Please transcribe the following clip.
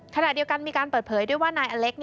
ขณะเดียวกันมีการเปิดเผยด้วยว่านายอเล็ก